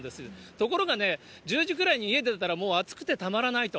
ところがね、１０時ぐらいに家出たら、もう暑くてたまらないと。